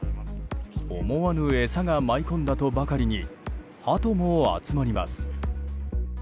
思わぬ餌が舞い込んだとばかりにハトも集まります。